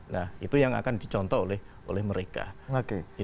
nah itu yang akan dicontoh oleh mereka